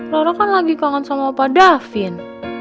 rara kan lagi kangen sama opa davin